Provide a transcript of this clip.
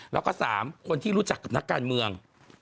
แล้วก็๓คนที่รู้จักกับนักการเมือง